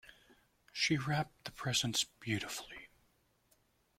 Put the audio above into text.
She wrapped the presents beautifully.